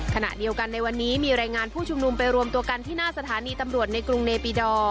ขณะเดียวกันในวันนี้มีรายงานผู้ชุมนุมไปรวมตัวกันที่หน้าสถานีตำรวจในกรุงเนปิดอร์